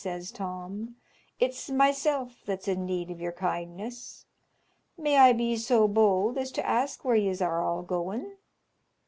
says Tom; "it's myself that's in need of your kindness. May I be so bold as to ask where yez are all going?"